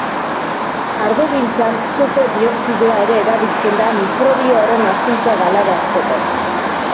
Ardogintzan sufre dioxidoa ere erabiltzen da mikrobio horren hazkuntza galarazteko.